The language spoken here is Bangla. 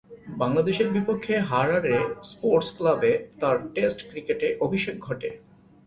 বাংলাদেশের বিপক্ষে হারারে স্পোর্টস ক্লাবে তার টেস্ট ক্রিকেটে অভিষেক ঘটে।